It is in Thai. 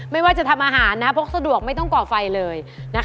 ไม่ว่าจะทำอาหารพกสะดวกไม่ต้องก่อไฟเลย